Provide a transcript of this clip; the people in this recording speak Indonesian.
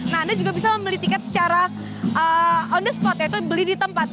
nah anda juga bisa membeli tiket secara on the spot yaitu beli di tempat